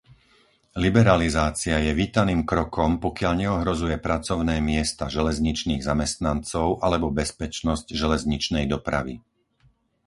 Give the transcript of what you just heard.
Liberalizácia je vítaným krokom, pokiaľ neohrozuje pracovné miesta železničných zamestnancov alebo bezpečnosť železničnej dopravy.